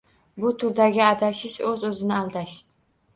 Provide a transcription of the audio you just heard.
Bu turdagi adashish o‘z-o‘zni aldash